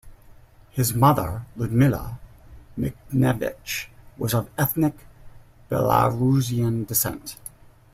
His mother, Ludmila Mikhnevich, was of ethnic Belarusian descent.